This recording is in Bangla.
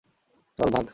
চল, ভাগ!